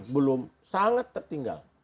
belum sangat tertinggal